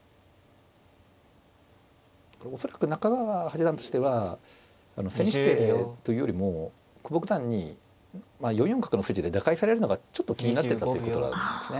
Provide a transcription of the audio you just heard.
恐らく中川八段としては千日手というよりも久保九段に４四角の筋で打開されるのがちょっと気になってたっていうことなんですね。